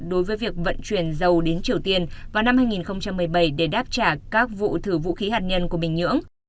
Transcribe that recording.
đối với việc vận chuyển dầu đến triều tiên vào năm hai nghìn một mươi bảy để đáp trả các vụ thử vũ khí hạt nhân của bình nhưỡng